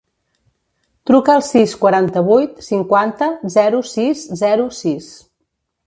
Truca al sis, quaranta-vuit, cinquanta, zero, sis, zero, sis.